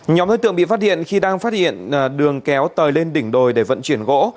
nhóm đối tượng bị phát hiện khi đang phát hiện đường kéo tời lên đỉnh đồi để vận chuyển gỗ